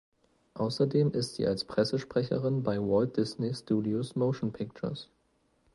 Außerdem ist sie als Pressesprecherin bei Walt Disney Studios Motion Pictures.